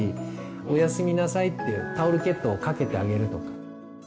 おやすみなさいってタオルケットをかけてあげるとか。